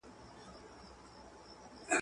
بیرته یوسه خپل راوړي سوغاتونه.